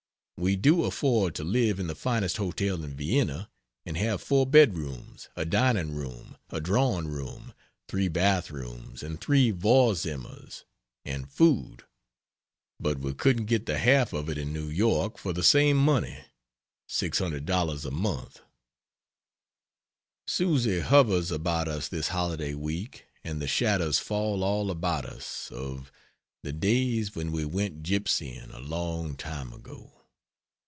We do afford to live in the finest hotel in Vienna, and have 4 bedrooms, a dining room, a drawing room, 3 bath rooms and 3 Vorzimmers, (and food) but we couldn't get the half of it in New York for the same money ($600 a month). Susy hovers about us this holiday week, and the shadows fall all about us of "The days when we went gipsying A long time ago."